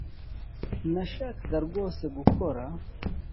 nashakaga rwose gukora